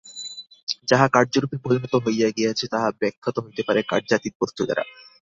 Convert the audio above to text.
যাহা কার্যরূপে পরিণত হইয়া গিয়াছে, তাহা ব্যাখ্যাত হইতে পারে কার্যাতীত বস্তু দ্বারা।